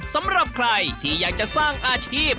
สำหรับใครที่อยากจะสร้างอาชีพ